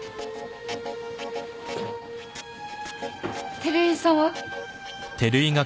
照井さんは？